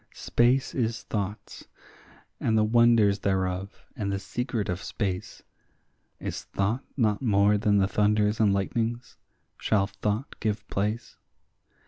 Space is thought's, and the wonders thereof, and the secret of space; Is thought not more than the thunders and lightnings? shall thought give place?